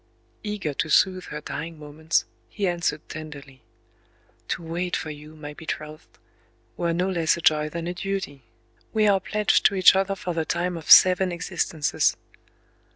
Eager to soothe her dying moments, he answered tenderly:— "To wait for you, my betrothed, were no less a joy than a duty. We are pledged to each other for the time of seven existences."